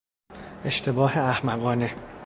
اشتباه احمقانه